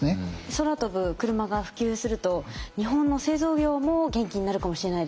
空飛ぶクルマが普及すると日本の製造業も元気になるかもしれないですね。